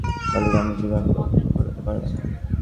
কপালে যদি দুঃখ থাকে তো কেউ খণ্ডাতে পারবে না।